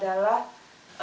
diayah sukuraga itu adalah